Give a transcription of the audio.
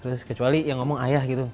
terus kecuali yang ngomong ayah gitu